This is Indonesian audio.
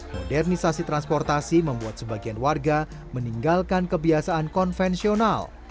modernisasi transportasi membuat sebagian warga meninggalkan kebiasaan konvensional